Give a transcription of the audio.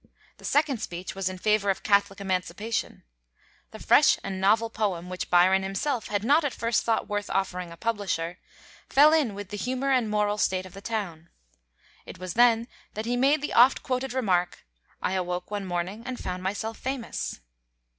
The second speech was in favor of Catholic emancipation. The fresh and novel poem, which Byron himself had not at first thought worth offering a publisher, fell in with the humor and moral state of the town. It was then that he made the oft quoted remark, "I awoke one morning and found myself famous."